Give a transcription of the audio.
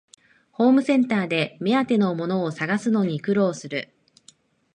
ホームセンターで目当てのものを探すのに苦労する